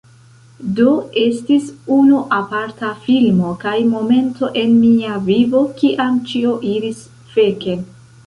Do, estis unu aparta filmo kaj momento en mia vivo kiam ĉio iris feken